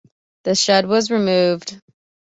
The shed was removed.